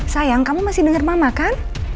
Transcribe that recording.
sayang kamu masih dengar mama kan